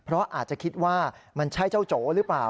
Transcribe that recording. เพราะอาจจะคิดว่ามันใช่เจ้าโจหรือเปล่า